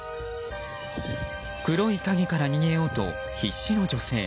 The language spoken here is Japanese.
黒い影から逃げようと必死の女性。